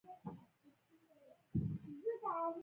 سر د وخته تر ګیوتین لاندي شوی وو.